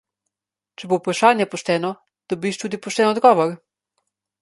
Če bo vprašanje pošteno, dobiš tudi pošten odgovor!